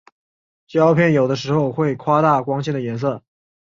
胶片有的时候会夸大光线的颜色。